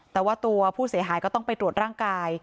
แต่ว่าตัวผู้เสียหายก็ต้องไปตรวจร่างกาย